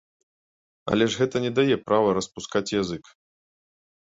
Але ж гэта не дае права распускаць язык.